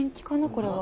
これは。